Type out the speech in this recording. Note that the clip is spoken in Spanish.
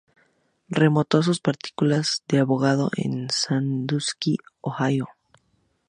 Retomó sus prácticas de abogado en Sandusky, Ohio.